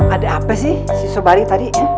ada apa sih si sobari tadi